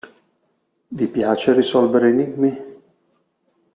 Vi piace risolvere enigmi?